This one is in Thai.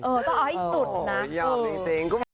เออก็เอาให้สุดนะ